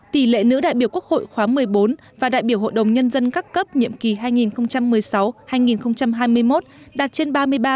tỷ lệ nữ đại biểu quốc hội khóa một mươi bốn và đại biểu hội đồng nhân dân các cấp nhiệm kỳ hai nghìn một mươi sáu hai nghìn hai mươi một đạt trên ba mươi ba